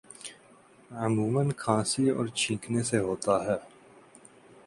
عموماً کھانسی اور چھینکنے سے ہوتا ہے